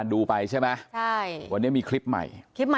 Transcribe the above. เมื่อกี้มีคลิปใหม่